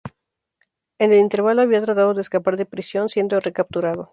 En el intervalo había tratado de escapar de prisión, siendo recapturado.